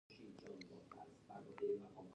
سپینې کیږ دۍ څخه راووزي